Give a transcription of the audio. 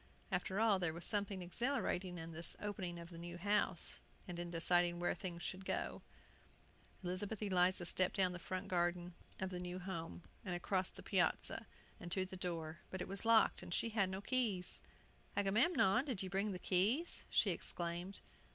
After all there was something exhilarating in this opening of the new house, and in deciding where things should go. Gayly Elizabeth Eliza stepped down the front garden of the new home, and across the piazza, and to the door. But it was locked, and she had no keys! "Agamemnon, did you bring the keys?" she exclaimed.